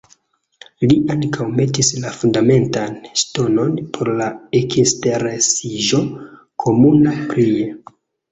Li ankaŭ metis la fundamentan ŝtonon por la ekinsteresiĝo komuna prie.